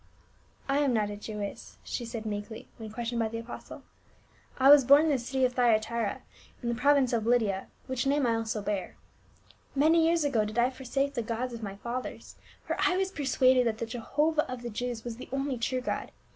*' I am not a Jewess," she said meekly, when ques tioned by the apostle. " I was born in the city of Thyatira, in the province of Lydia, which name also I bear. Many years ago did I forsake the gods of my fathers, for I was persuaded that the Jehovah of the Jews was the only true God.